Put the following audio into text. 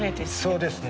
そうですね。